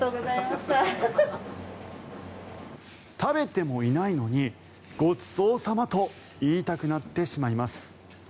食べてもいないのにごちそうさまと言いたくなってしまいます。